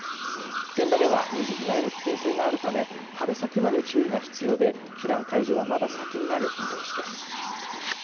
現場では二次被害の危険性があるため春先まで注意が必要で避難解除はまだ先になる見通しです。